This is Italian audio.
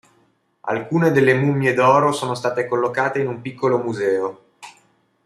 Alcune delle "mummie d'oro" sono state collocate in un piccolo museo.